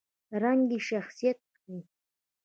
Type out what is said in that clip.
رنګ یې شخصیت ښيي.